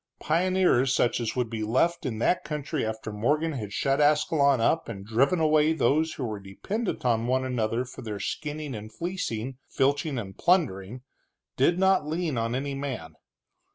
Pioneers, such as would be left in that country after Morgan had shut Ascalon up and driven away those who were dependent on one another for their skinning and fleecing, filching and plundering, did not lean on any man.